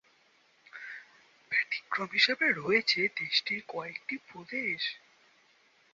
ব্যতিক্রম হিসেবে রয়েছে দেশটির কয়েকটি প্রদেশ।